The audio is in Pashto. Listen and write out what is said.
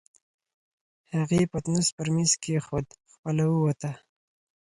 هغې پتنوس پر مېز کېښود، خپله ووته.